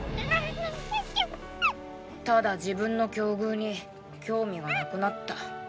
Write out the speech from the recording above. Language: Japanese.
ただ自分の境遇に興味がなくなった。